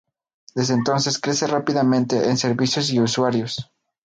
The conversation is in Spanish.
Desde entonces crece rápidamente en servicios y usuarios.